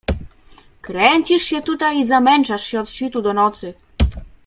Kręcisz się tutaj i zamęczasz się od świtu do nocy…